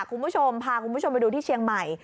คุณผู้ชมพาคุณผู้ชมไปดูที่เชียงใหม่